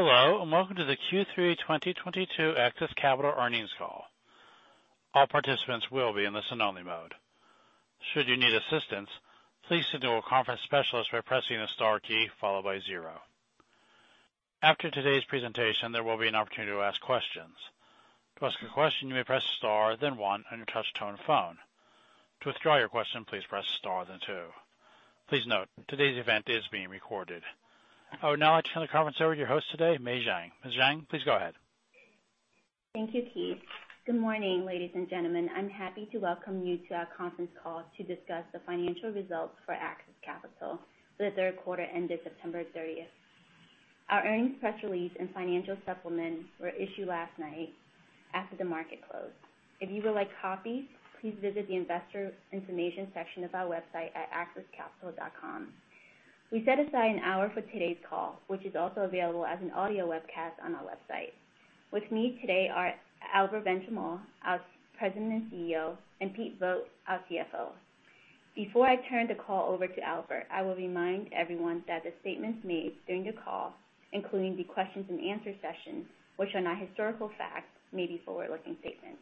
Hello, and welcome to the Q3 2022 AXIS Capital earnings call. All participants will be in the listen-only mode. Should you need assistance, please signal a conference specialist by pressing the star key followed by zero. After today's presentation, there will be an opportunity to ask questions. To ask a question, you may press star then one on your touch-tone phone. To withdraw your question, please press star then two. Please note, today's event is being recorded. I would now like to turn the conference over to your host today, Mei Zhang. Ms. Zhang, please go ahead. Thank you, Keith. Good morning, ladies and gentlemen. I'm happy to welcome you to our conference call to discuss the financial results for AXIS Capital for the third quarter ended September 30th. Our earnings press release and financial supplements were issued last night after the market closed. If you would like copies, please visit the investor information section of our website at axiscapital.com. We set aside an hour for today's call, which is also available as an audio webcast on our website. With me today are Albert Benchimol, our President and CEO, and Pete Vogt, our CFO. Before I turn the call over to Albert, I will remind everyone that the statements made during the call, including the questions and answer session, which are not historical facts, may be forward-looking statements.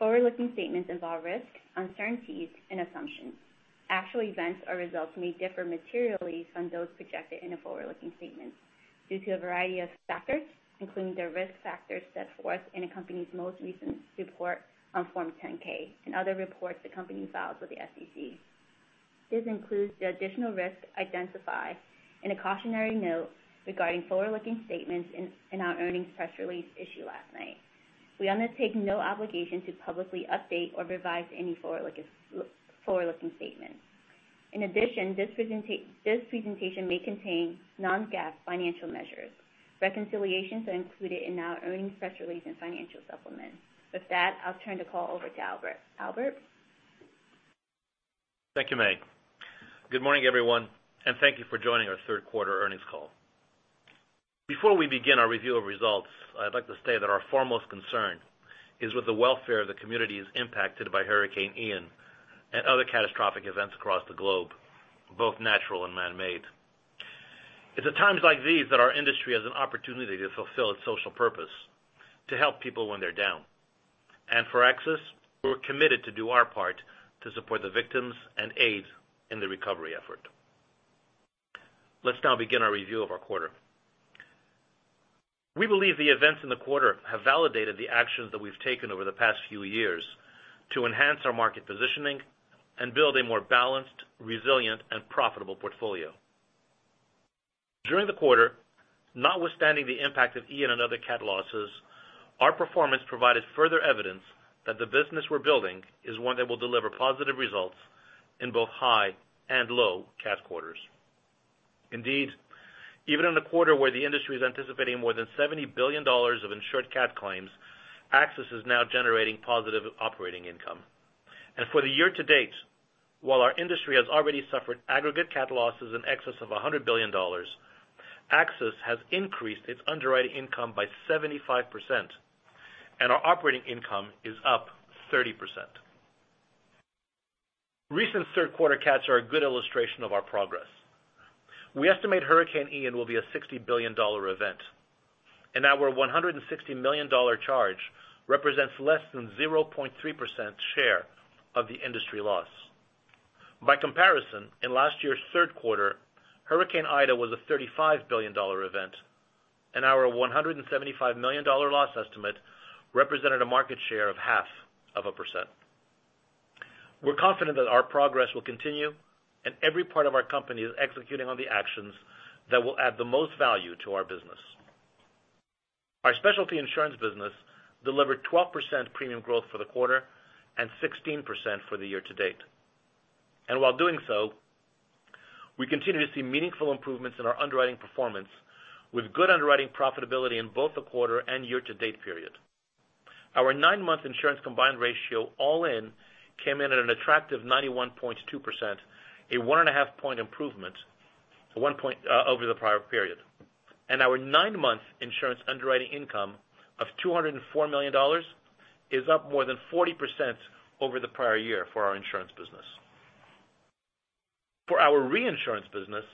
Forward-looking statements involve risks, uncertainties and assumptions. Actual events or results may differ materially from those projected in the forward-looking statements due to a variety of factors, including the risk factors set forth in the company's most recent report on Form 10-K and other reports the company files with the SEC. This includes the additional risks identified in a cautionary note regarding forward-looking statements in our earnings press release issued last night. We undertake no obligation to publicly update or revise any forward-looking statements. In addition, this presentation may contain non-GAAP financial measures. Reconciliations are included in our earnings press release and financial supplement. With that, I'll turn the call over to Albert. Albert? Thank you, Mei. Good morning, everyone, and thank you for joining our third quarter earnings call. Before we begin our review of results, I'd like to say that our foremost concern is with the welfare of the communities impacted by Hurricane Ian and other catastrophic events across the globe, both natural and man-made. It's at times like these that our industry has an opportunity to fulfill its social purpose to help people when they're down. For AXIS, we're committed to do our part to support the victims and aid in the recovery effort. Let's now begin our review of our quarter. We believe the events in the quarter have validated the actions that we've taken over the past few years to enhance our market positioning and build a more balanced, resilient and profitable portfolio. During the quarter, notwithstanding the impact of Ian and other cat losses, our performance provided further evidence that the business we're building is one that will deliver positive results in both high and low cat quarters. Indeed, even in a quarter where the industry is anticipating more than $70 billion of insured cat claims, AXIS is now generating positive operating income. For the year to date, while our industry has already suffered aggregate cat losses in excess of $100 billion, AXIS has increased its underwriting income by 75%, and our operating income is up 30%. Recent third quarter cats are a good illustration of our progress. We estimate Hurricane Ian will be a $60 billion event, and our $160 million charge represents less than 0.3% share of the industry loss. By comparison, in last year's third quarter, Hurricane Ida was a $35 billion event, and our $175 million loss estimate represented a market share of 0.5%. We're confident that our progress will continue, and every part of our company is executing on the actions that will add the most value to our business. Our specialty insurance business delivered 12% premium growth for the quarter and 16% for the year to date. While doing so, we continue to see meaningful improvements in our underwriting performance with good underwriting profitability in both the quarter and year to date period. Our nine-month insurance combined ratio all in came in at an attractive 91.2%, a 1.5 point improvement to 1 point over the prior period. Our nine-month insurance underwriting income of $204 million is up more than 40% over the prior year for our insurance business. For our reinsurance business,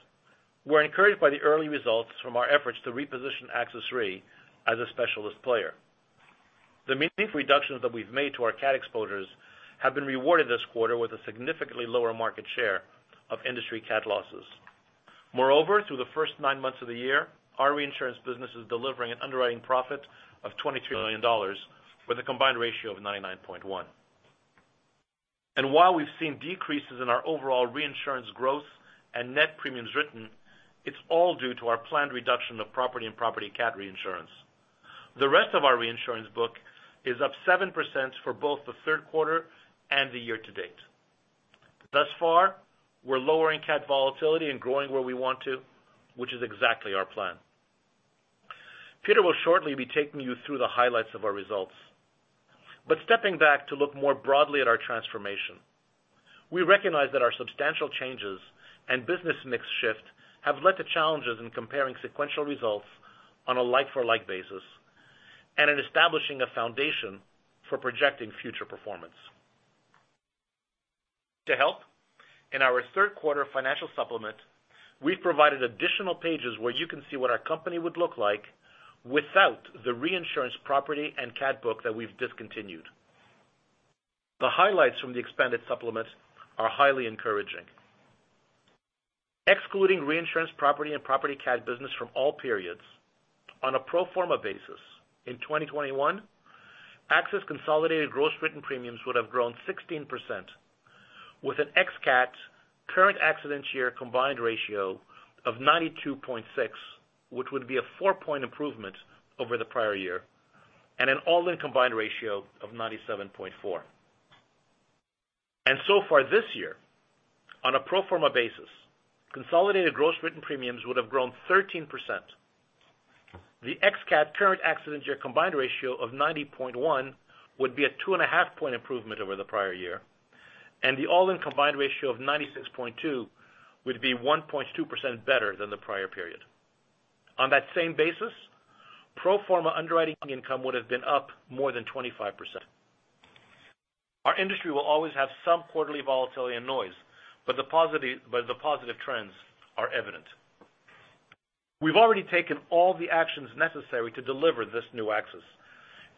we're encouraged by the early results from our efforts to reposition AXIS Re as a specialist player. The meaningful reductions that we've made to our cat exposures have been rewarded this quarter with a significantly lower market share of industry cat losses. Moreover, through the first nine months of the year, our reinsurance business is delivering an underwriting profit of $23 million with a combined ratio of 99.1. While we've seen decreases in our overall reinsurance growth and net premiums written, it's all due to our planned reduction of property and property cat reinsurance. The rest of our reinsurance book is up 7% for both the third quarter and the year to date. Thus far, we're lowering cat volatility and growing where we want to, which is exactly our plan. Peter will shortly be taking you through the highlights of our results. Stepping back to look more broadly at our transformation, we recognize that our substantial changes and business mix shift have led to challenges in comparing sequential results on a like-for-like basis and in establishing a foundation for projecting future performance. To help, in our third quarter financial supplement, we've provided additional pages where you can see what our company would look like without the reinsurance property and cat book that we've discontinued. The highlights from the expanded supplements are highly encouraging. Excluding reinsurance property and property cat business from all periods, on a pro forma basis, in 2021, AXIS consolidated gross written premiums would have grown 16% with an ex cat current accident year combined ratio of 92.6, which would be a four-point improvement over the prior year, and an all-in combined ratio of 97.4. So far this year, on a pro forma basis, consolidated gross written premiums would have grown 13%. The ex cat current accident year combined ratio of 90.1 would be a 2.5-point improvement over the prior year, and the all-in combined ratio of 96.2 would be 1.2% better than the prior period. On that same basis, pro forma underwriting income would have been up more than 25%. Our industry will always have some quarterly volatility and noise, but the positive trends are evident. We've already taken all the actions necessary to deliver this new AXIS,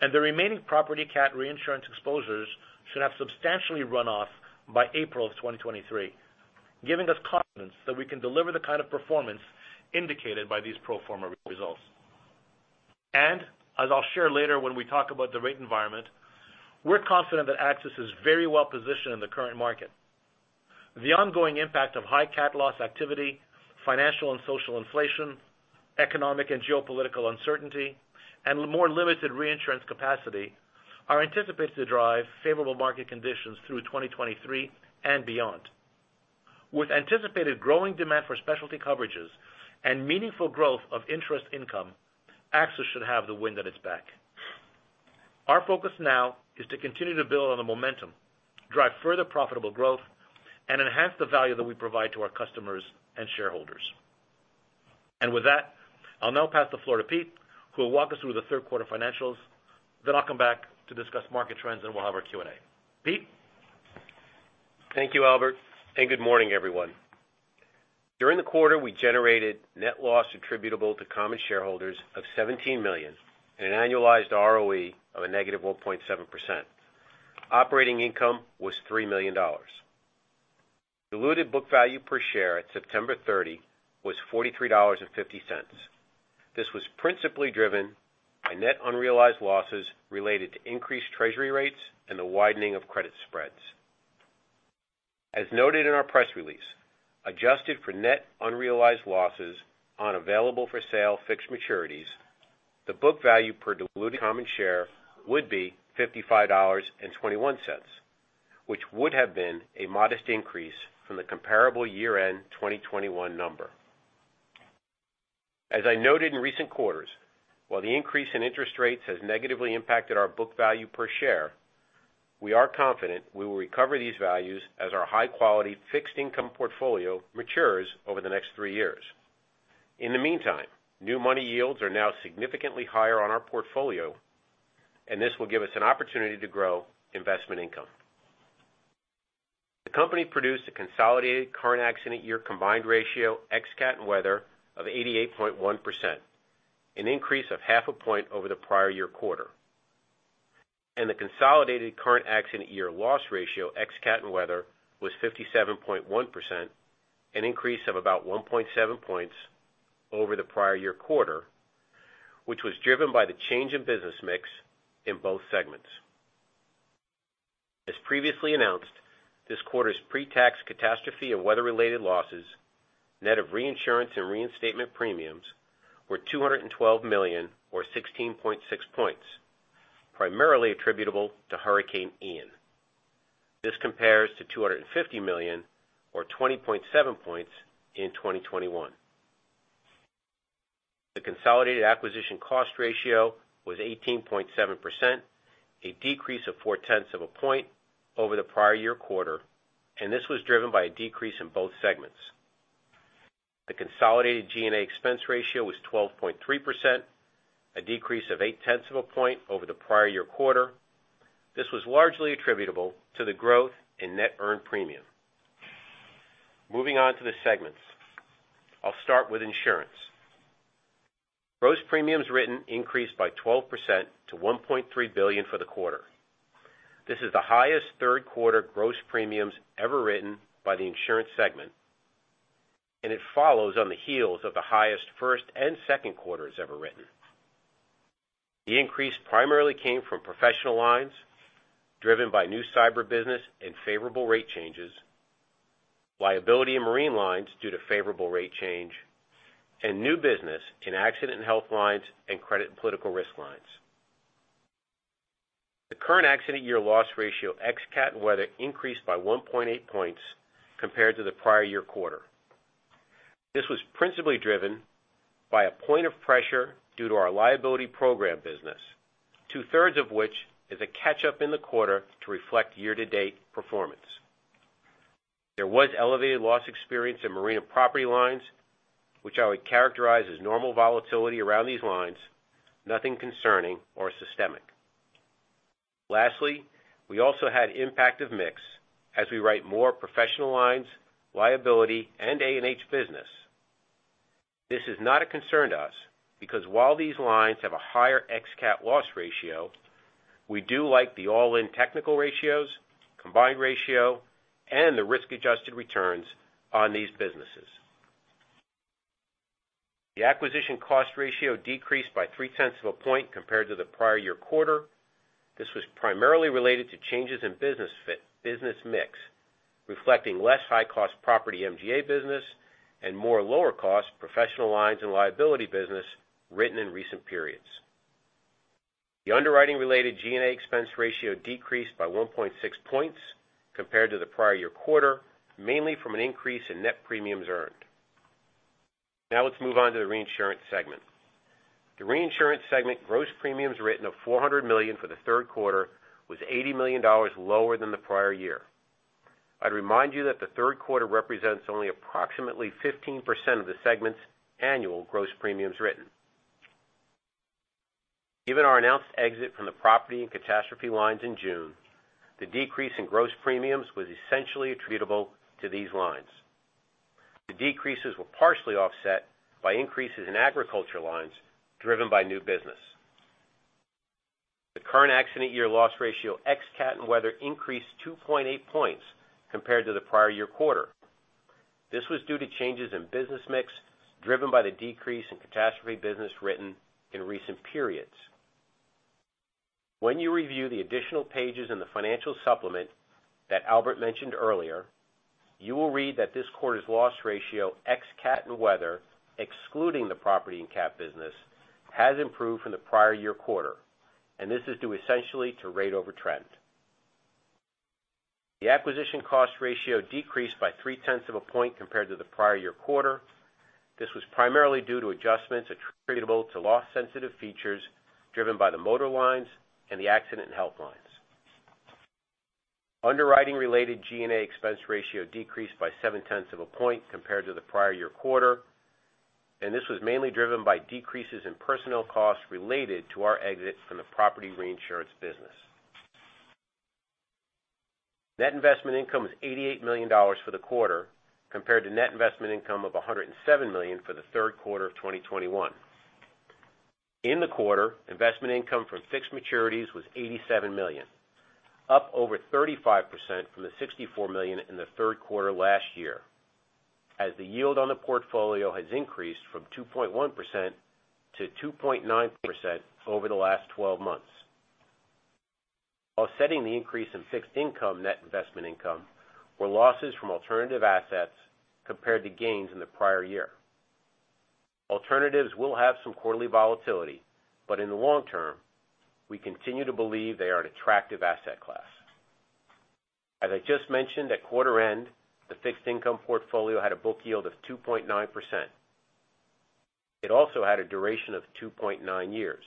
and the remaining property cat reinsurance exposures should have substantially run off by April of 2023, giving us confidence that we can deliver the kind of performance indicated by these pro forma results. As I'll share later when we talk about the rate environment, we're confident that AXIS is very well positioned in the current market. The ongoing impact of high cat loss activity, financial and social inflation, economic and geopolitical uncertainty, and more limited reinsurance capacity are anticipated to drive favorable market conditions through 2023 and beyond. With anticipated growing demand for specialty coverages and meaningful growth of interest income, AXIS should have the wind at its back. Our focus now is to continue to build on the momentum, drive further profitable growth, and enhance the value that we provide to our customers and shareholders. With that, I'll now pass the floor to Pete, who will walk us through the third quarter financials. I'll come back to discuss market trends, and we'll have our Q&A. Pete? Thank you, Albert, and good morning, everyone. During the quarter, we generated net loss attributable to common shareholders of $17 million and an annualized ROE of -1.7%. Operating income was $3 million. Diluted book value per share at September 30 was $43.50. This was principally driven by net unrealized losses related to increased Treasury rates and the widening of credit spreads. As noted in our press release, adjusted for net unrealized losses on available-for-sale fixed maturities, the book value per diluted common share would be $55.21, which would have been a modest increase from the comparable year-end 2021 number. As I noted in recent quarters, while the increase in interest rates has negatively impacted our book value per share, we are confident we will recover these values as our high-quality fixed income portfolio matures over the next three years. In the meantime, new money yields are now significantly higher on our portfolio, and this will give us an opportunity to grow investment income. The company produced a consolidated current accident year combined ratio ex cat and weather of 88.1%, an increase of 0.5 A point over the prior year quarter, and the consolidated current accident year loss ratio ex cat and weather was 57.1%, an increase of about 1.7 points over the prior year quarter, which was driven by the change in business mix in both segments. As previously announced, this quarter's pre-tax catastrophe and weather-related losses, net of reinsurance and reinstatement premiums, were $212 million or 16.6 points, primarily attributable to Hurricane Ian. This compares to $250 million or 20.7 points in 2021. The consolidated acquisition cost ratio was 18.7%, a decrease of 0.4 point over the prior year quarter, and this was driven by a decrease in both segments. The consolidated G&A expense ratio was 12.3%, a decrease of 0.8 point over the prior year quarter. This was largely attributable to the growth in net earned premium. Moving on to the segments. I'll start with insurance. Gross premiums written increased by 12% to $1.3 billion for the quarter. This is the highest third quarter gross premiums ever written by the Insurance segment, and it follows on the heels of the highest first and second quarters ever written. The increase primarily came from Professional Lines, driven by new cyber business and favorable rate changes, liability and marine lines due to favorable rate change, and new business in Accident & Health lines and credit and political risk lines. The current accident year loss ratio ex cat and weather increased by 1.8 points compared to the prior year quarter. This was principally driven by a point of pressure due to our liability program business, 2/3 of which is a catch-up in the quarter to reflect year-to-date performance. There was elevated loss experience in marine and property lines, which I would characterize as normal volatility around these lines, nothing concerning or systemic. Lastly, we also had impact of mix as we write more Professional Lines, liability, and A&H business. This is not a concern to us because while these lines have a higher ex cat loss ratio, we do like the all-in technical ratios, combined ratio, and the risk-adjusted returns on these businesses. The acquisition cost ratio decreased by 0.3 of a point compared to the prior year quarter. This was primarily related to changes in business mix, reflecting less high-cost property MGA business and more lower cost Professional Lines and liability business written in recent periods. The underwriting related G&A expense ratio decreased by 1.6 points compared to the prior year quarter, mainly from an increase in net premiums earned. Now let's move on to the Reinsurance segment. The Reinsurance segment gross premiums written of $400 million for the third quarter was $80 million lower than the prior year. I'd remind you that the third quarter represents only approximately 15% of the segment's annual gross premiums written. Given our announced exit from the property and catastrophe lines in June, the decrease in gross premiums was essentially attributable to these lines. The decreases were partially offset by increases in agriculture lines driven by new business. The current accident year loss ratio ex cat and weather increased 2.8 points compared to the prior year quarter. This was due to changes in business mix driven by the decrease in catastrophe business written in recent periods. When you review the additional pages in the financial supplement that Albert mentioned earlier, you will read that this quarter's loss ratio, ex cat and weather, excluding the property and cat business, has improved from the prior year quarter, and this is due essentially to rate over trend. The acquisition cost ratio decreased by 0.3 of a point compared to the prior year quarter. This was primarily due to adjustments attributable to loss-sensitive features driven by the motor lines and the Accident & Health lines. Underwriting-related G&A expense ratio decreased by 0.7 of a point compared to the prior year quarter, and this was mainly driven by decreases in personnel costs related to our exit from the property reinsurance business. Net investment income was $88 million for the quarter compared to net investment income of $107 million for the third quarter of 2021. In the quarter, investment income from fixed maturities was $87 million, up over 35% from the $64 million in the third quarter last year, as the yield on the portfolio has increased from 2.1% to 2.9% over the last 12 months. Offsetting the increase in fixed income net investment income were losses from alternative assets compared to gains in the prior year. Alternatives will have some quarterly volatility, but in the long term, we continue to believe they are an attractive asset class. As I just mentioned, at quarter end, the fixed income portfolio had a book yield of 2.9%. It also had a duration of 2.9 years.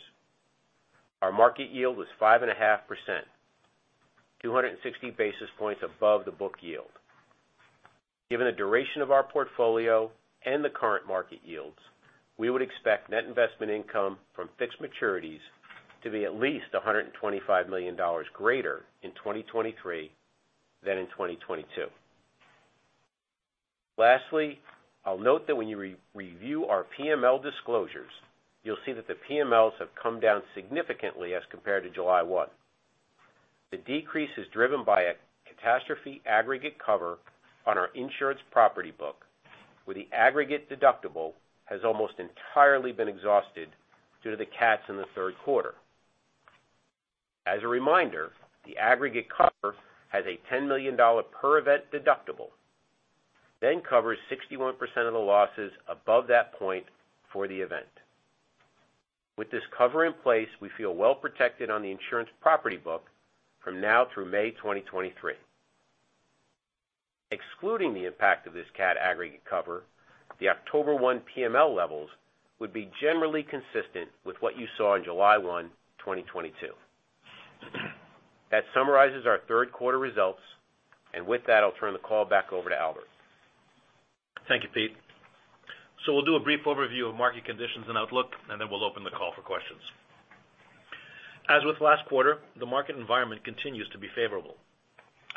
Our market yield was 5.5%, 260 basis points above the book yield. Given the duration of our portfolio and the current market yields, we would expect net investment income from fixed maturities to be at least $125 million greater in 2023 than in 2022. Lastly, I'll note that when you re-review our PML disclosures, you'll see that the PMLs have come down significantly as compared to July 1. The decrease is driven by a catastrophe aggregate cover on our insurance property book, where the aggregate deductible has almost entirely been exhausted due to the cats in the third quarter. As a reminder, the aggregate cover has a $10 million per event deductible, then covers 61% of the losses above that point for the event. With this cover in place, we feel well-protected on the insurance property book from now through May 2023. Excluding the impact of this cat aggregate cover, the October 1 PML levels would be generally consistent with what you saw in July 1, 2022. That summarizes our third quarter results. With that, I'll turn the call back over to Albert. Thank you, Pete. We'll do a brief overview of market conditions and outlook, and then we'll open the call for questions. As with last quarter, the market environment continues to be favorable.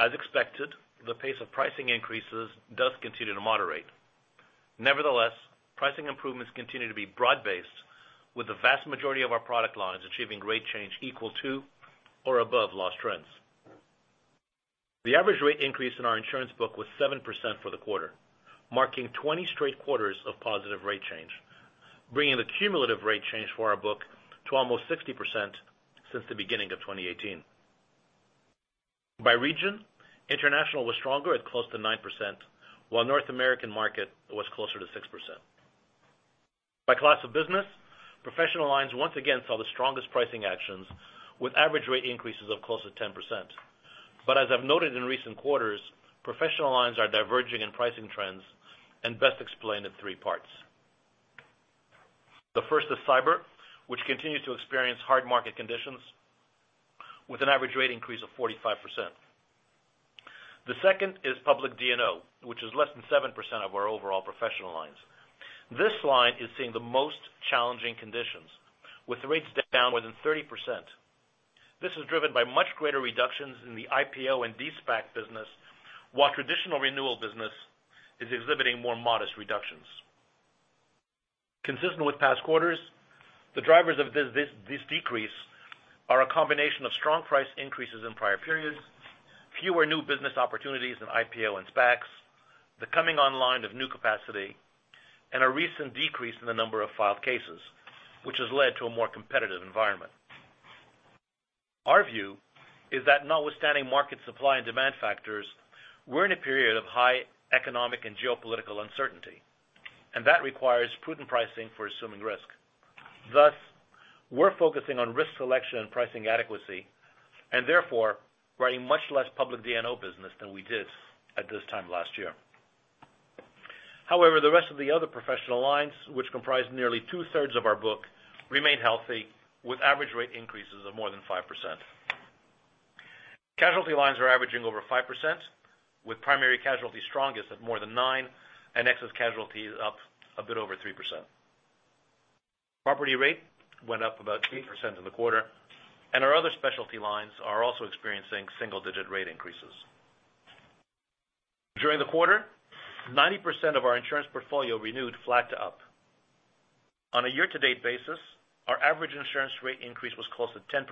As expected, the pace of pricing increases does continue to moderate. Nevertheless, pricing improvements continue to be broad-based, with the vast majority of our product lines achieving rate change equal to or above loss trends. The average rate increase in our insurance book was 7% for the quarter, marking 20 straight quarters of positive rate change, bringing the cumulative rate change for our book to almost 60% since the beginning of 2018. By region, international was stronger at close to 9%, while North American market was closer to 6%. By class of business, Professional Lines once again saw the strongest pricing actions with average rate increases of close to 10%. As I've noted in recent quarters, Professional Lines are diverging in pricing trends and best explained in three parts. The first is cyber, which continues to experience hard market conditions with an average rate increase of 45%. The second is public D&O, which is less than 7% of our overall Professional Lines. This line is seeing the most challenging conditions, with rates down more than 30%. This is driven by much greater reductions in the IPO and de-SPAC business, while traditional renewal business is exhibiting more modest reductions. Consistent with past quarters, the drivers of this decrease are a combination of strong price increases in prior periods, fewer new business opportunities in IPO and SPACs, the coming online of new capacity, and a recent decrease in the number of filed cases, which has led to a more competitive environment. Our view is that notwithstanding market supply and demand factors, we're in a period of high economic and geopolitical uncertainty, and that requires prudent pricing for assuming risk. Thus, we're focusing on risk selection and pricing adequacy and therefore writing much less public D&O business than we did at this time last year. However, the rest of the other Professional Lines, which comprise nearly two-thirds of our book, remain healthy, with average rate increases of more than 5%. Casualty lines are averaging over 5%, with primary casualty strongest at more than 9%, and excess casualty is up a bit over 3%. Property rate went up about 3% in the quarter, and our other specialty lines are also experiencing single-digit rate increases. During the quarter, 90% of our insurance portfolio renewed flat to up. On a year-to-date basis, our average insurance rate increase was close to 10%,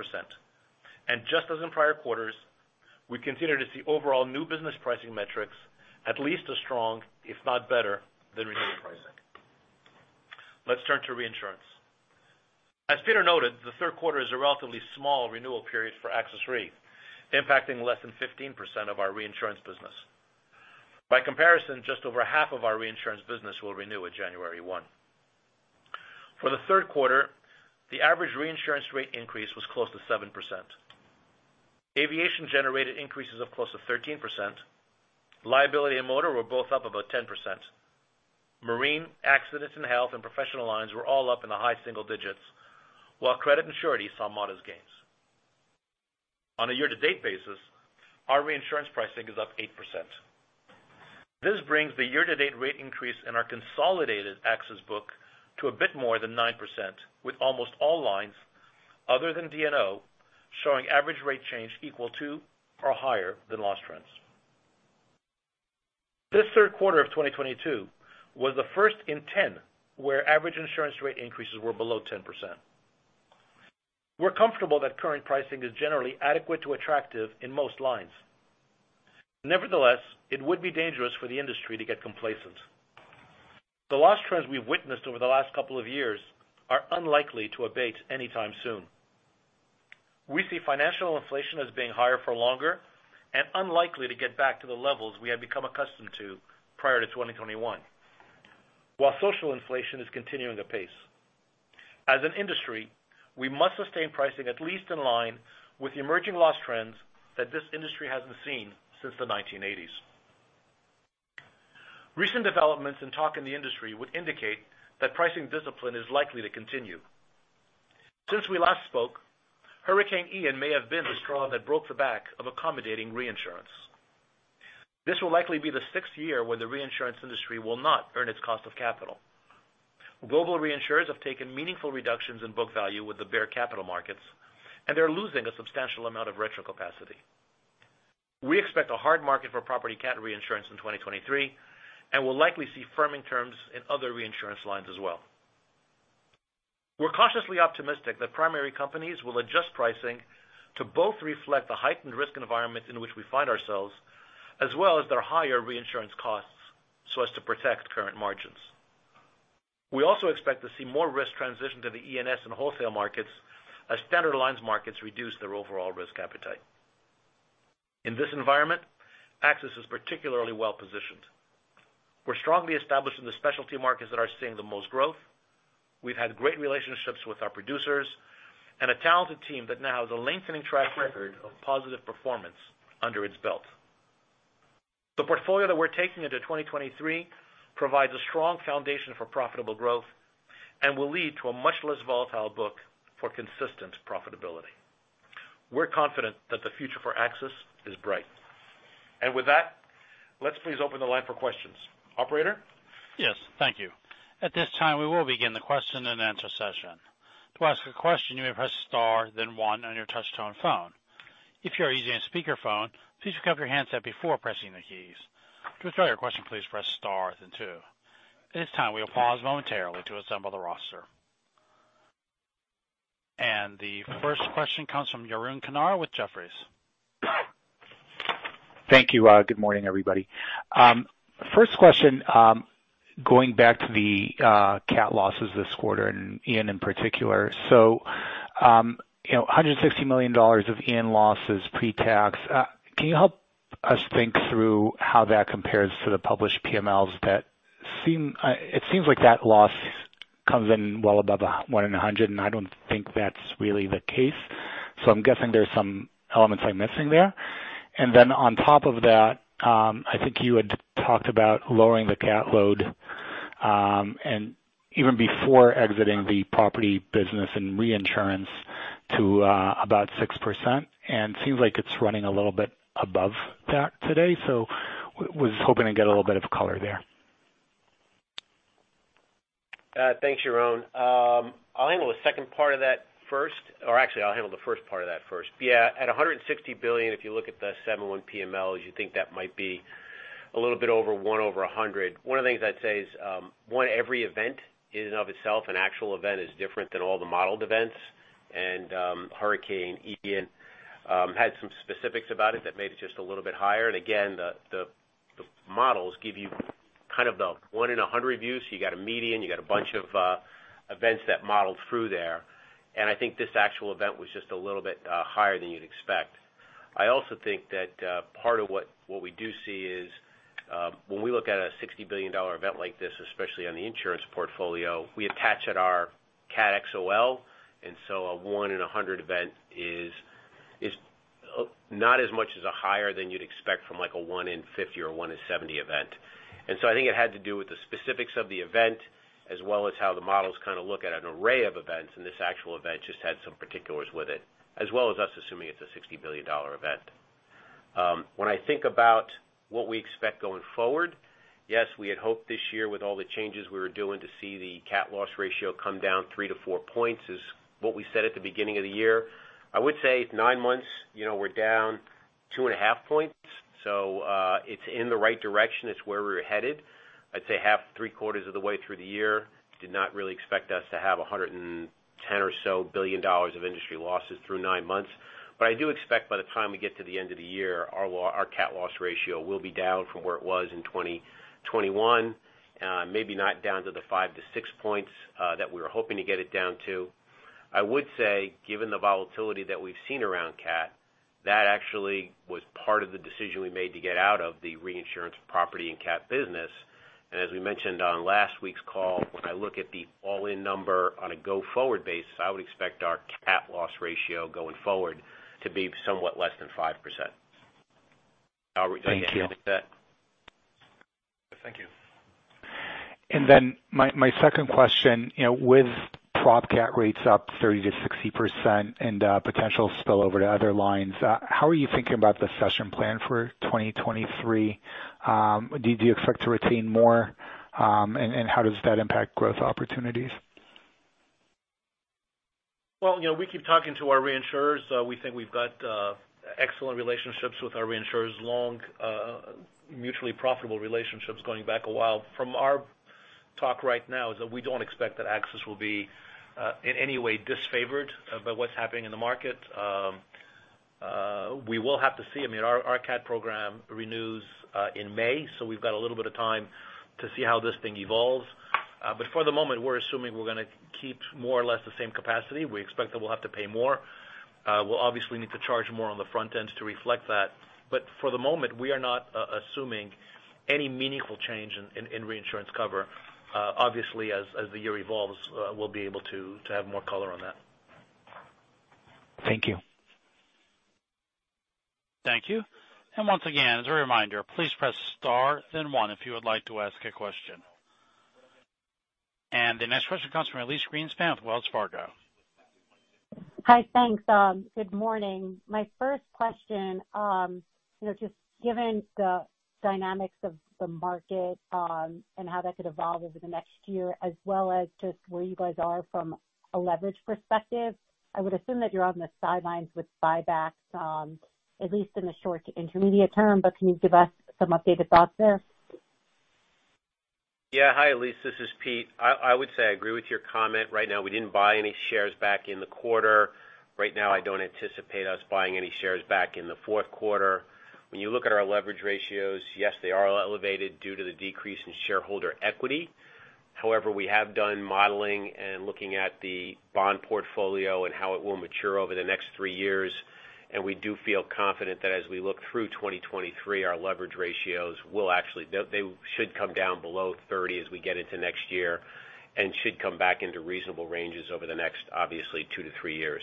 and just as in prior quarters, we continue to see overall new business pricing metrics at least as strong, if not better, than renewal pricing. Let's turn to reinsurance. As Peter noted, the third quarter is a relatively small renewal period for AXIS Re, impacting less than 15% of our reinsurance business. By comparison, just over half of our reinsurance business will renew on January one. For the third quarter, the average reinsurance rate increase was close to 7%. Aviation-generated increases of close to 13%. Liability and motor were both up about 10%. Marine, Accidents and Health, and Professional Lines were all up in the high single digits, while credit and surety saw modest gains. On a year-to-date basis, our reinsurance pricing is up 8%. This brings the year-to-date rate increase in our consolidated AXIS book to a bit more than 9%, with almost all lines other than D&O showing average rate change equal to or higher than loss trends. This third quarter of 2022 was the first in 10 where average insurance rate increases were below 10%. We're comfortable that current pricing is generally adequate to attractive in most lines. Nevertheless, it would be dangerous for the industry to get complacent. The loss trends we've witnessed over the last couple of years are unlikely to abate anytime soon. We see financial inflation as being higher for longer and unlikely to get back to the levels we have become accustomed to prior to 2021, while social inflation is continuing apace. As an industry, we must sustain pricing at least in line with the emerging loss trends that this industry hasn't seen since the 1980s. Recent developments and talk in the industry would indicate that pricing discipline is likely to continue. Since we last spoke, Hurricane Ian may have been the straw that broke the back of accommodating reinsurance. This will likely be the sixth year when the reinsurance industry will not earn its cost of capital. Global reinsurers have taken meaningful reductions in book value with the bear capital markets, and they're losing a substantial amount of retro capacity. We expect a hard market for property cat reinsurance in 2023, and we'll likely see firming terms in other reinsurance lines as well. We're cautiously optimistic that primary companies will adjust pricing to both reflect the heightened risk environment in which we find ourselves, as well as their higher reinsurance costs so as to protect current margins. We also expect to see more risk transition to the E&S and wholesale markets as standard lines markets reduce their overall risk appetite. In this environment, AXIS is particularly well-positioned. We're strongly established in the specialty markets that are seeing the most growth, we've had great relationships with our producers and a talented team that now has a lengthening track record of positive performance under its belt. The portfolio that we're taking into 2023 provides a strong foundation for profitable growth and will lead to a much less volatile book for consistent profitability. We're confident that the future for AXIS is bright. With that, let's please open the line for questions. Operator? Yes. Thank you. At this time, we will begin the question-and-answer session. To ask a question, you may press star then one on your touch-tone phone. If you are using a speakerphone, please pick up your handset before pressing the keys. To withdraw your question, please press star then two. At this time, we will pause momentarily to assemble the roster. The first question comes from Yaron Kinar with Jefferies. Thank you. Good morning, everybody. First question, going back to the cat losses this quarter and Ian in particular. You know, $160 million of Ian losses pre-tax. Can you help us think through how that compares to the published PMLs that seem like that loss comes in well above one in a hundred, and I don't think that's really the case. I'm guessing there's some elements I'm missing there. Then on top of that, I think you had talked about lowering the cat load, and even before exiting the property business and reinsurance to about 6%, and seems like it's running a little bit above that today. Was hoping to get a little bit of color there. Thanks, Yaron. I'll handle the second part of that first. Or actually, I'll handle the first part of that first. Yeah, at $160 billion, if you look at the 71 PMLs, you think that might be a little bit over one in 100. One of the things I'd say is, one, every event in and of itself, an actual event is different than all the modeled events. Hurricane Ian had some specifics about it that made it just a little bit higher. The models give you kind of the one in 100 view. You got a median, you got a bunch of events that modeled through there. I think this actual event was just a little bit higher than you'd expect. I also think that part of what we do see is when we look at a $60 billion event like this, especially on the insurance portfolio, we attach at our Cat XOL. A 1 in 100 event is not as much as a higher than you'd expect from like a one in 50 or one in 70 event. I think it had to do with the specifics of the event as well as how the models kind of look at an array of events, and this actual event just had some particulars with it, as well as us assuming it's a $60 billion event. When I think about what we expect going forward, yes, we had hoped this year with all the changes we were doing to see the cat loss ratio come down 3 points to 4 points. That is what we said at the beginning of the year. I would say nine months, you know, we're down 2.5 points, so, it's in the right direction. It's where we're headed. I'd say half, three quarters of the way through the year did not really expect us to have $110 billion or so of industry losses through nine months. I do expect by the time we get to the end of the year, our cat loss ratio will be down from where it was in 2021. Maybe not down to the 5 points to 6 points that we were hoping to get it down to. I would say given the volatility that we've seen around cat, that actually was part of the decision we made to get out of the reinsurance property and cat business. As we mentioned on last week's call, when I look at the all-in number on a go-forward basis, I would expect our cat loss ratio going forward to be somewhat less than 5%. Thank you. Anything to add? Thank you. My second question. You know, with prop cat rates up 30%-60% and potential spillover to other lines, how are you thinking about the cession plan for 2023? Do you expect to retain more, and how does that impact growth opportunities? Well, you know, we keep talking to our reinsurers. We think we've got excellent relationships with our reinsurers, long mutually profitable relationships going back a while. From our talk right now is that we don't expect that AXIS will be in any way disfavored by what's happening in the market. We will have to see. I mean, our cat program renews in May, so we've got a little bit of time to see how this thing evolves. For the moment, we're assuming we're gonna keep more or less the same capacity. We expect that we'll have to pay more. We'll obviously need to charge more on the front end to reflect that. For the moment, we are not assuming any meaningful change in reinsurance cover. Obviously, as the year evolves, we'll be able to have more color on that. Thank you. Thank you. Once again, as a reminder, please press star then one if you would like to ask a question. The next question comes from Elyse Greenspan with Wells Fargo. Hi. Thanks. Good morning. My first question, you know, just given the dynamics of the market, and how that could evolve over the next year, as well as just where you guys are from a leverage perspective, I would assume that you're on the sidelines with buybacks, at least in the short to intermediate term, but can you give us some updated thoughts there? Yeah. Hi, Elyse. This is Pete. I would say I agree with your comment. Right now, we didn't buy any shares back in the quarter. Right now, I don't anticipate us buying any shares back in the fourth quarter. When you look at our leverage ratios, yes, they are elevated due to the decrease in shareholder equity. However, we have done modeling and looking at the bond portfolio and how it will mature over the next three years, and we do feel confident that as we look through 2023, our leverage ratios will actually they should come down below 30% as we get into next year and should come back into reasonable ranges over the next, obviously, two to three years.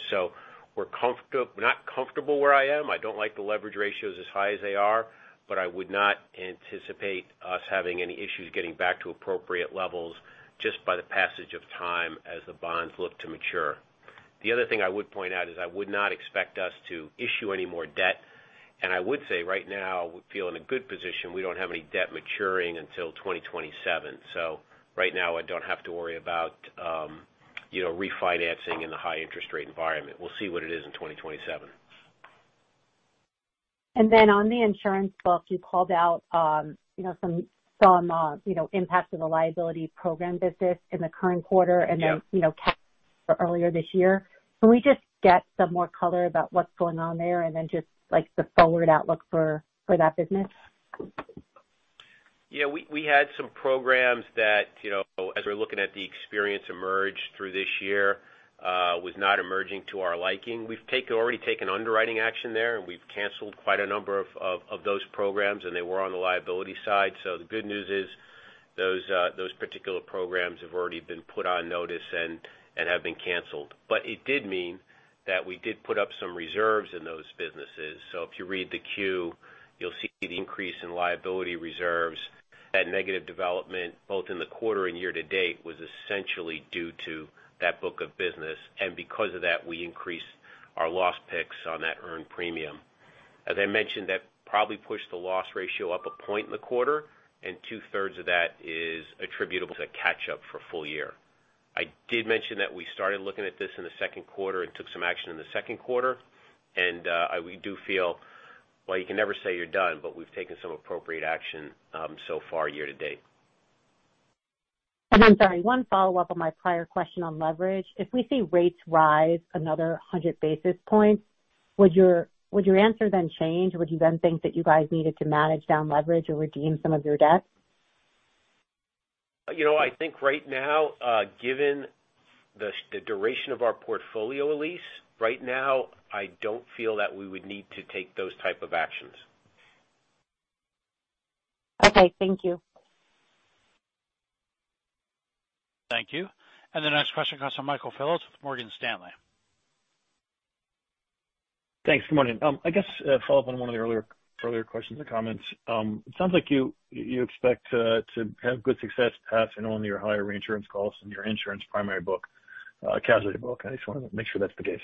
We're not comfortable where I am. I don't like the leverage ratios as high as they are, but I would not anticipate us having any issues getting back to appropriate levels just by the passage of time as the bonds look to mature. The other thing I would point out is I would not expect us to issue any more debt, and I would say right now we feel in a good position. We don't have any debt maturing until 2027. Right now, I don't have to worry about, you know, refinancing in the high interest rate environment. We'll see what it is in 2027. On the insurance book, you called out, you know, some you know, impact to the liability program business in the current quarter. Yeah. You know, earlier this year. Can we just get some more color about what's going on there and then just like the forward outlook for that business? Yeah, we had some programs that, you know, as we're looking at the experience emerge through this year, was not emerging to our liking. We've already taken underwriting action there, and we've canceled quite a number of those programs, and they were on the liability side. The good news is those particular programs have already been put on notice and have been canceled. It did mean that we did put up some reserves in those businesses. If you read the Q, you'll see the increase in liability reserves. That negative development, both in the quarter and year to date, was essentially due to that book of business. Because of that, we increased our loss picks on that earned premium. As I mentioned, that probably pushed the loss ratio up a point in the quarter, and 2/3 of that is attributable to catch up for full year. I did mention that we started looking at this in the second quarter and took some action in the second quarter. We do feel, well, you can never say you're done, but we've taken some appropriate action, so far year-to-date. I'm sorry, one follow-up on my prior question on leverage. If we see rates rise another 100 basis points, would your answer then change? Would you then think that you guys needed to manage down leverage or redeem some of your debt? You know, I think right now, given the duration of our portfolio lease, right now I don't feel that we would need to take those type of actions. Okay. Thank you. Thank you. The next question comes from Michael Phillips with Morgan Stanley. Thanks. Good morning. I guess follow up on one of the earlier questions or comments. It sounds like you expect to have good success passing on your higher reinsurance costs and your insurance primary book, casualty book. I just wanna make sure that's the case.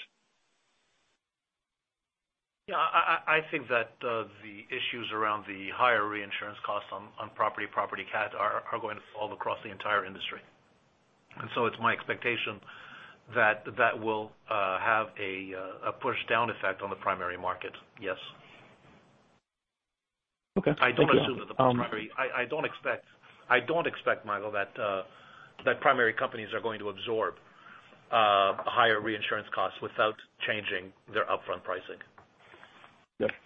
Yeah. I think that the issues around the higher reinsurance costs on property cat are going to fall across the entire industry. It's my expectation that will have a push down effect on the primary market, yes. Okay. Thank you. I don't expect, Michael, that primary companies are going to absorb higher reinsurance costs without changing their upfront pricing. Yeah.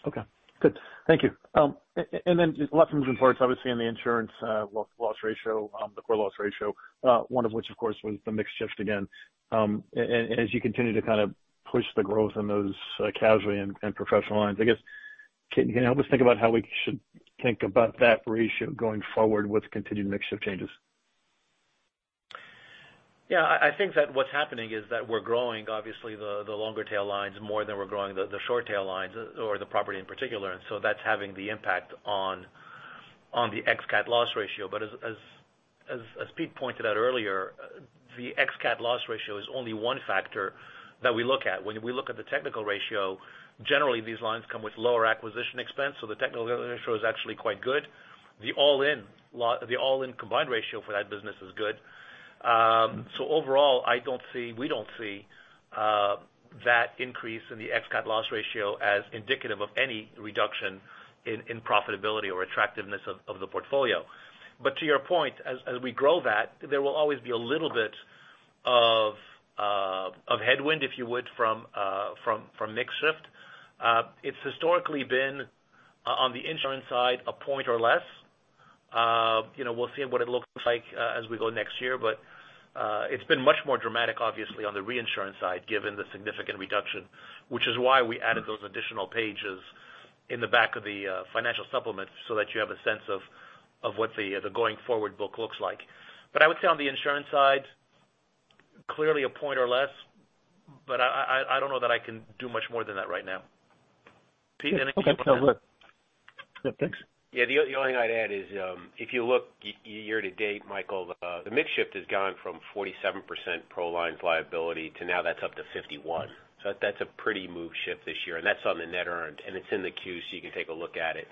Okay. Good. Thank you. Lessons learned, obviously in the insurance loss ratio, the core loss ratio, one of which of course was the mix shift again. As you continue to kind of push the growth in those casualty and Professional Lines, I guess, can you help us think about how we should think about that ratio going forward with continued mix shift changes? Yeah. I think that what's happening is that we're growing obviously the longer tail lines more than we're growing the short tail lines or the property in particular. That's having the impact on the ex cat loss ratio. As Pete pointed out earlier, the ex cat loss ratio is only one factor that we look at. When we look at the technical ratio, generally these lines come with lower acquisition expense, so the technical ratio is actually quite good. The all-in combined ratio for that business is good. Overall, I don't see, we don't see, that increase in the ex cat loss ratio as indicative of any reduction in profitability or attractiveness of the portfolio. To your point, as we grow that, there will always be a little bit of headwind, if you would, from mix shift. It's historically been on the insurance side, a point or less. You know, we'll see what it looks like as we go next year. But it's been much more dramatic, obviously, on the reinsurance side, given the significant reduction, which is why we added those additional pages in the back of the financial supplement, so that you have a sense of what the going forward book looks like. But I would say on the insurance side, clearly a point or less, but I don't know that I can do much more than that right now. Pete, anything you want to add? Okay. No, we're good. Yeah, thanks. The only thing I'd add is, if you look year to date, Michael, the mix shift has gone from 47% pro lines liability to now that's up to 51%. That's a pretty move shift this year, and that's on the net earned, and it's in the Q, so you can take a look at it.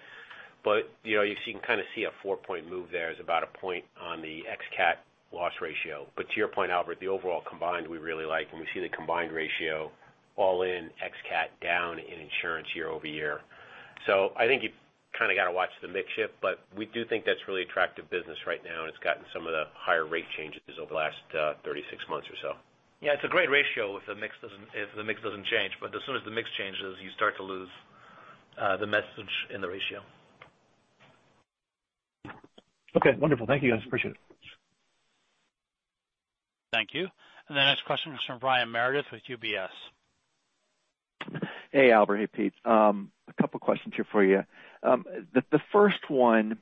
You know, you can kinda see a 4-point move there is about a point on the ex cat loss ratio. To your point, Albert, the overall combined, we really like, and we see the combined ratio all in ex cat down in insurance year-over-year. I think you kinda gotta watch the mix shift, but we do think that's really attractive business right now, and it's gotten some of the higher rate changes over the last 36 months or so. Yeah, it's a great ratio if the mix doesn't change, but as soon as the mix changes, you start to lose the message in the ratio. Okay, wonderful. Thank you, guys. Appreciate it. Thank you. The next question is from Brian Meredith with UBS. Hey, Albert. Hey, Pete. A couple of questions here for you. The first one,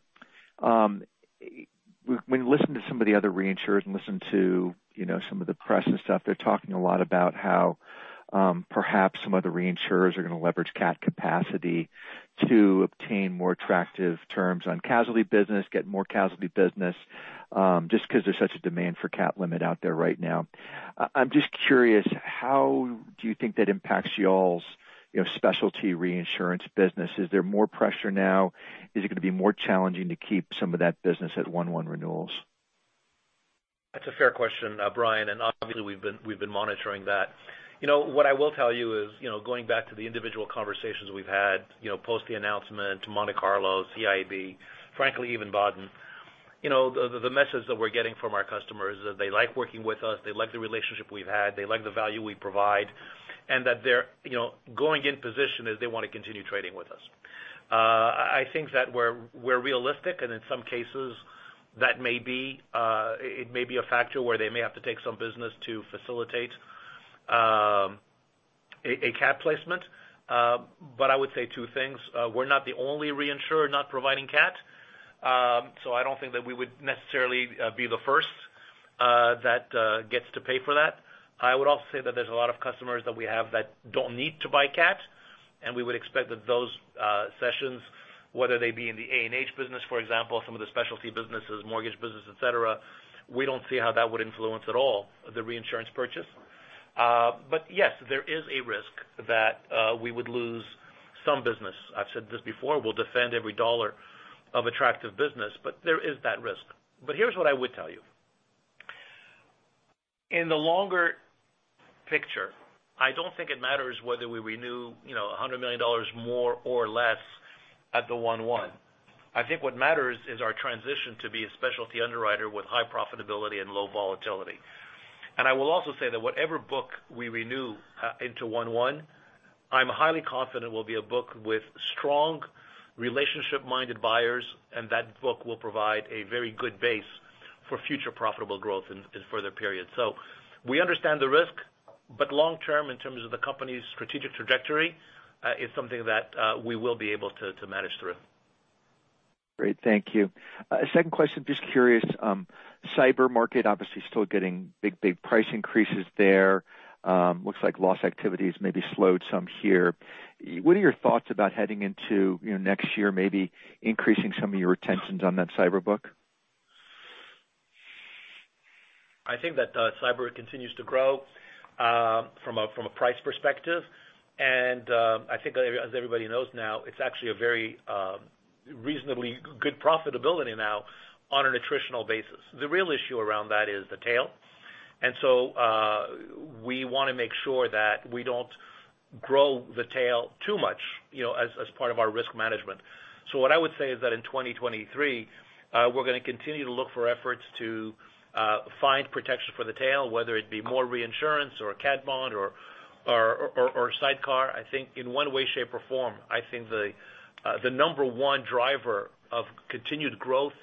when you listen to some of the other reinsurers and listen to, you know, some of the press and stuff, they're talking a lot about how, perhaps some of the reinsurers are gonna leverage cat capacity to obtain more attractive terms on casualty business, get more casualty business, just because there's such a demand for cat limit out there right now. I'm just curious, how do you think that impacts y'all's, you know, specialty reinsurance business? Is there more pressure now? Is it gonna be more challenging to keep some of that business at 1/1 renewals? That's a fair question, Brian, and obviously, we've been monitoring that. You know, what I will tell you is, you know, going back to the individual conversations we've had, you know, post the announcement, Monte Carlo, CIAB, frankly, even Baden-Baden, you know, the message that we're getting from our customers is that they like working with us, they like the relationship we've had, they like the value we provide, and that they're, you know, going in position as they wanna continue trading with us. I think that we're realistic, and in some cases, that may be a factor where they may have to take some business to facilitate a cat placement. I would say two things. We're not the only reinsurer not providing cat, so I don't think that we would necessarily be the first that gets to pay for that. I would also say that there's a lot of customers that we have that don't need to buy cat, and we would expect that those sessions, whether they be in the A&H business, for example, some of the specialty businesses, mortgage business, et cetera, we don't see how that would influence at all the reinsurance purchase. Yes, there is a risk that we would lose some business. I've said this before, we'll defend every dollar of attractive business, but there is that risk. Here's what I would tell you. In the longer picture, I don't think it matters whether we renew, you know, $100 million more or less at the 1/1. I think what matters is our transition to be a specialty underwriter with high profitability and low volatility. I will also say that whatever book we renew into 1/1, I'm highly confident will be a book with strong relationship-minded buyers, and that book will provide a very good base for future profitable growth in further periods. We understand the risk, but long term, in terms of the company's strategic trajectory, it's something that we will be able to manage through. Great. Thank you. Second question, just curious. Cyber market obviously still getting big, big price increases there. Looks like loss activity has maybe slowed some here. What are your thoughts about heading into, you know, next year, maybe increasing some of your retentions on that cyber book? I think that cyber continues to grow from a price perspective. I think as everybody knows now, it's actually a very reasonably good profitability now on an attritional basis. The real issue around that is the tail. We wanna make sure that we don't grow the tail too much, you know, as part of our risk management. What I would say is that in 2023, we're gonna continue to look for efforts to find protection for the tail, whether it be more reinsurance or a cat bond or sidecar. I think in one way, shape, or form, I think the number one driver of continued growth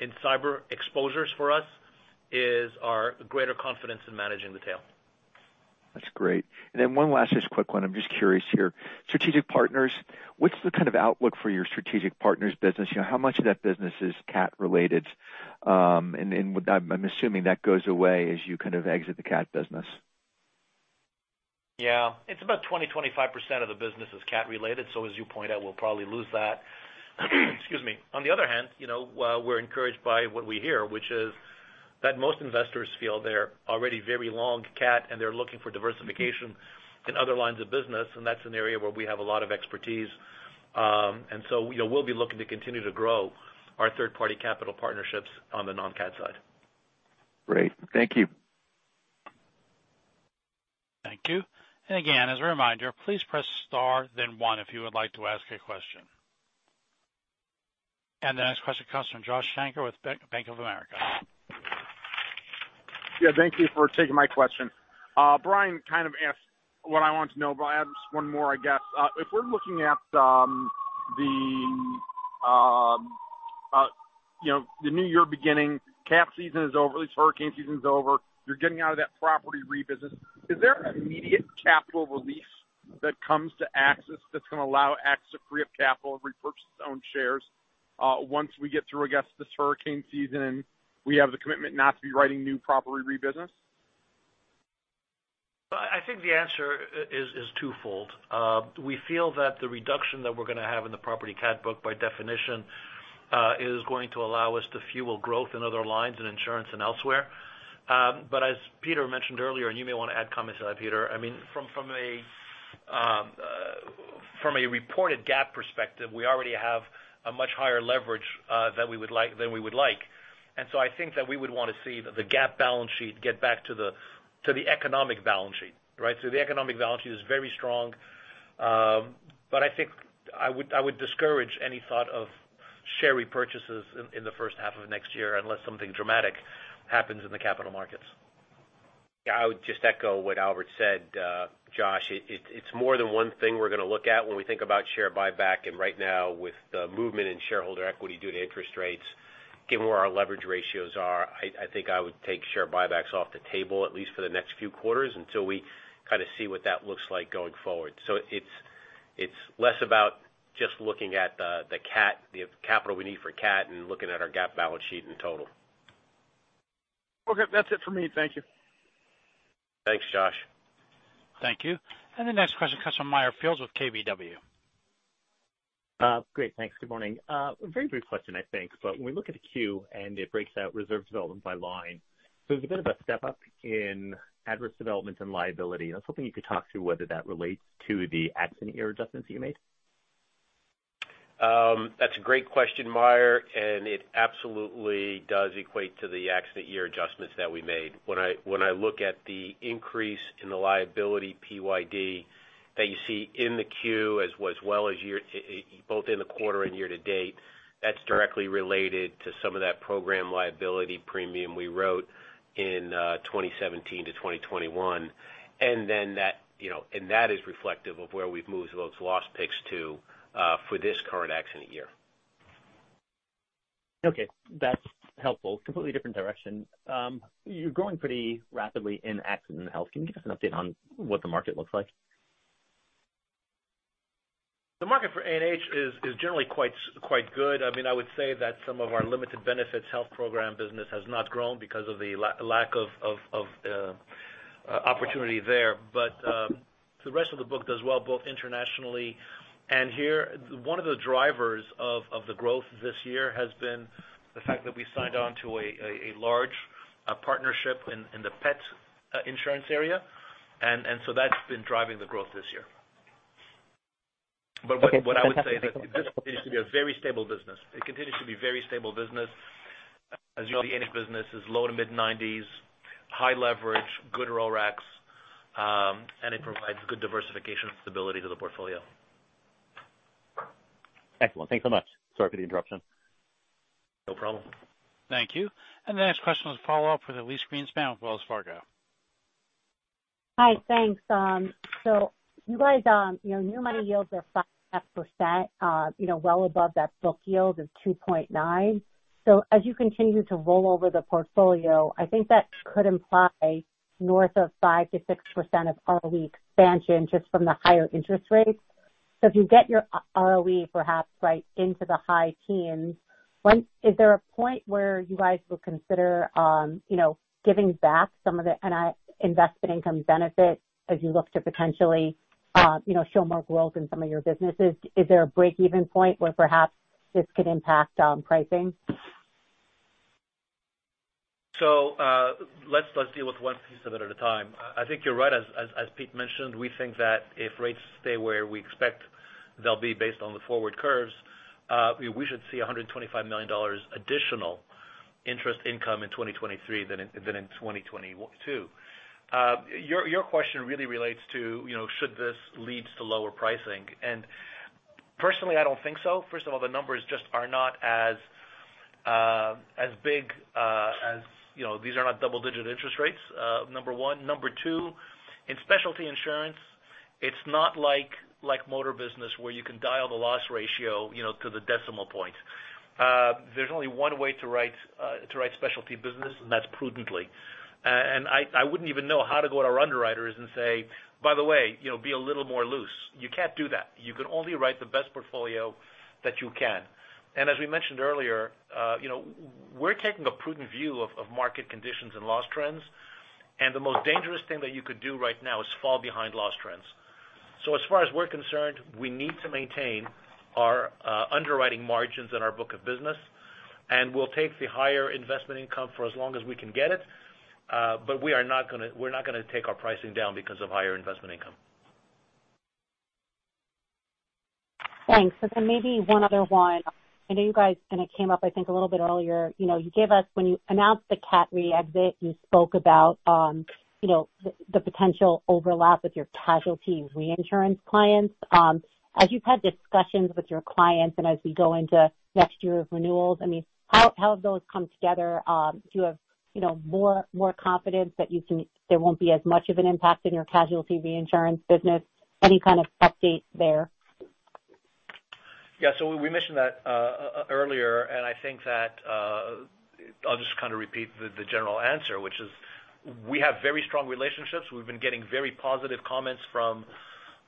in cyber exposures for us is our greater confidence in managing the tail. That's great. One last just quick one. I'm just curious here. Strategic partners, what's the kind of outlook for your strategic partners business? You know, how much of that business is cat-related? I'm assuming that goes away as you kind of exit the cat business. Yeah. It's about 20%-25% of the business is cat-related, so as you point out, we'll probably lose that. Excuse me. On the other hand, you know, we're encouraged by what we hear, which is that most investors feel they're already very long cat, and they're looking for diversification in other lines of business, and that's an area where we have a lot of expertise. You know, we'll be looking to continue to grow our third-party capital partnerships on the non-cat side. Great. Thank you. Thank you. Again, as a reminder, please press star, then one if you would like to ask a question. The next question comes from Josh Shanker with Bank of America. Yeah, thank you for taking my question. Brian kind of asked what I wanted to know, but I have just one more, I guess. If we're looking at the new year beginning, cat season is over, at least hurricane season's over, you're getting out of that property reinsurance business. Is there an immediate capital release that comes to AXIS that's gonna allow AXIS to free up capital and repurchase its own shares, once we get through, I guess, this hurricane season, and we have the commitment not to be writing new property reinsurance business? I think the answer is twofold. We feel that the reduction that we're gonna have in the property cat book, by definition, is going to allow us to fuel growth in other lines in insurance and elsewhere. But as Peter mentioned earlier, and you may wanna add comments to that, Peter, I mean, from a reported GAAP perspective, we already have a much higher leverage than we would like. I think that we would wanna see the GAAP balance sheet get back to the economic balance sheet, right? The economic balance sheet is very strong, but I think I would discourage any thought of share repurchases in the first half of next year, unless something dramatic happens in the capital markets. Yeah, I would just echo what Albert said, Josh. It's more than one thing we're gonna look at when we think about share buyback. Right now, with the movement in shareholder equity due to interest rates, given where our leverage ratios are, I think I would take share buybacks off the table at least for the next few quarters until we kind of see what that looks like going forward. It's less about just looking at the cat, the capital we need for cat and looking at our GAAP balance sheet in total. Okay. That's it for me. Thank you. Thanks, Josh. Thank you. The next question comes from Meyer Shields with KBW. Great. Thanks. Good morning. A very brief question, I think, but when we look at the Q, and it breaks out reserve development by line, there's a bit of a step up in adverse development and liability. I was hoping you could talk to whether that relates to the accident year adjustments that you made. That's a great question, Meyer, and it absolutely does equate to the accident year adjustments that we made. When I look at the increase in the liability PYD that you see in the Q, as well as year to date, that's directly related to some of that program liability premium we wrote in 2017 to 2021. That, you know, is reflective of where we've moved those loss picks to for this current accident year. Okay. That's helpful. Completely different direction. You're growing pretty rapidly in Accident & Health. Can you give us an update on what the market looks like? The market for A&H is generally quite good. I mean, I would say that some of our limited benefits health program business has not grown because of the lack of opportunity there. The rest of the book does well, both internationally and here. One of the drivers of the growth this year has been the fact that we signed on to a large partnership in the pet insurance area. That's been driving the growth this year. What I would say is it continues to be a very stable business. It continues to be very stable business. As you know, the A&H business is low- to mid-90s%, high leverage, good ROE, and it provides good diversification stability to the portfolio. Excellent. Thanks so much. Sorry for the interruption. No problem. Thank you. The next question is a follow-up for Elyse Greenspan with Wells Fargo. Hi. Thanks. You guys, you know, new money yields are 5.5%, you know, well above that book yield of 2.9. As you continue to roll over the portfolio, I think that could imply north of 5%-6% ROE expansion just from the higher interest rates. If you get your operating ROE perhaps right into the high teens, is there a point where you guys will consider, you know, giving back some of the net investment income benefit as you look to potentially, you know, show more growth in some of your businesses? Is there a break-even point where perhaps this could impact pricing? Let's deal with one piece of it at a time. I think you're right. As Pete mentioned, we think that if rates stay where we expect they'll be based on the forward curves, we should see $125 million additional interest income in 2023 than in 2022. Your question really relates to, you know, should this leads to lower pricing? Personally, I don't think so. First of all, the numbers just are not as big as, you know, these are not double-digit interest rates, number one. Number two, in specialty insurance, it's not like motor business, where you can dial the loss ratio, you know, to the decimal point. There's only one way to write specialty business, and that's prudently. I wouldn't even know how to go to our underwriters and say, "By the way, you know, be a little more loose." You can't do that. You can only write the best portfolio that you can. As we mentioned earlier, you know, we're taking a prudent view of market conditions and loss trends. The most dangerous thing that you could do right now is fall behind loss trends. As far as we're concerned, we need to maintain our underwriting margins in our book of business, and we'll take the higher investment income for as long as we can get it. We're not gonna take our pricing down because of higher investment income. Thanks. Maybe one other one. I know you guys, and it came up I think a little bit earlier, you know, you gave us when you announced the Cat Re exit, you spoke about, you know, the potential overlap with your casualty reinsurance clients. As you've had discussions with your clients and as we go into next year of renewals, I mean, how have those come together? Do you have, you know, more confidence that there won't be as much of an impact in your casualty reinsurance business? Any kind of update there? Yeah. We mentioned that earlier, and I think that I'll just kind of repeat the general answer, which is we have very strong relationships. We've been getting very positive comments from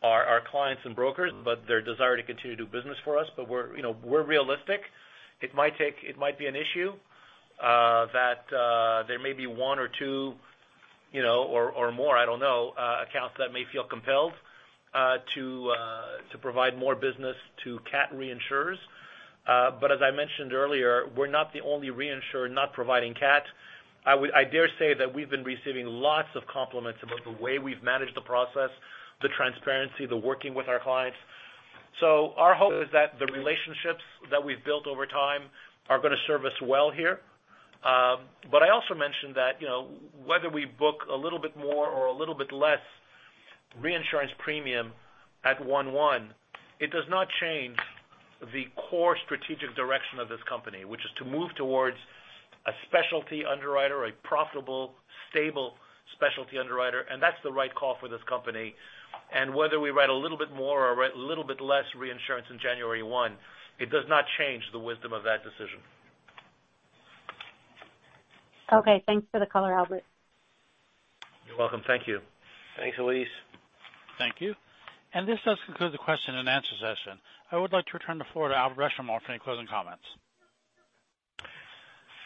our clients and brokers, but their desire to continue to do business for us. We're realistic. It might be an issue that there may be one or two, you know, or more, I don't know, accounts that may feel compelled to provide more business to cat reinsurers. As I mentioned earlier, we're not the only reinsurer not providing cat. I dare say that we've been receiving lots of compliments about the way we've managed the process, the transparency, the working with our clients. Our hope is that the relationships that we've built over time are gonna serve us well here. I also mentioned that, you know, whether we book a little bit more or a little bit less reinsurance premium at January 1, it does not change the core strategic direction of this company, which is to move towards a specialty underwriter, a profitable, stable specialty underwriter, and that's the right call for this company. Whether we write a little bit more or write a little bit less reinsurance in January 1, it does not change the wisdom of that decision. Okay, thanks for the color, Albert. You're welcome. Thank you. Thanks, Elyse. Thank you. This does conclude the question and answer session. I would like to return the floor to Albert Benchimol for any closing comments.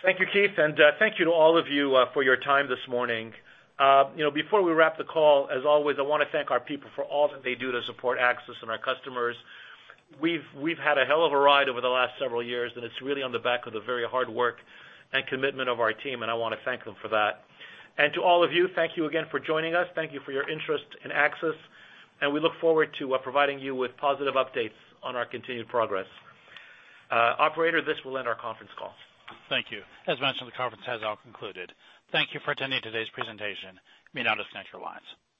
Thank you, Keith, and, thank you to all of you, for your time this morning. You know, before we wrap the call, as always, I wanna thank our people for all that they do to support AXIS and our customers. We've had a hell of a ride over the last several years, and it's really on the back of the very hard work and commitment of our team, and I wanna thank them for that. To all of you, thank you again for joining us. Thank you for your interest in AXIS, and we look forward to, providing you with positive updates on our continued progress. Operator, this will end our conference call. Thank you. As mentioned, the conference has now concluded. Thank you for attending today's presentation. You may now disconnect your lines.